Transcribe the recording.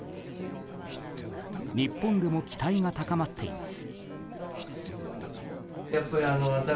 日本でも期待が高まっています。